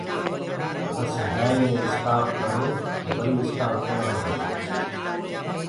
بس يهآنٚ ئي مينٚ اِسٽآپ ڪرو وري اِسٽآپ نآ ڪرو۔